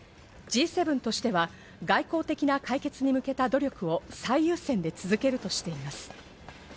Ｇ７としては外交的な解決に向けた努力を最優先で続けるとしています。